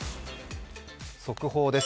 速報です。